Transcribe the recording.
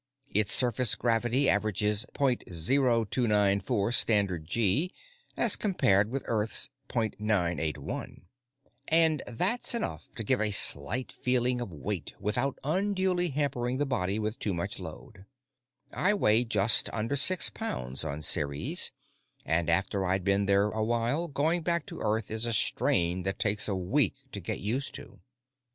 Its surface gravity averages .0294 Standard Gee, as compared with Earth's .981, and that's enough to give a slight feeling of weight without unduly hampering the body with too much load. I weigh just under six pounds on Ceres, and after I've been there a while, going back to Earth is a strain that takes a week to get used to.